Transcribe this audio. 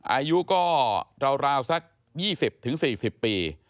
อายุก็ราวสัก๒๐๔๐ปี